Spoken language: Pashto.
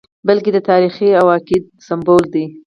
بلکې د تاریخ او عقیدې سمبول دی.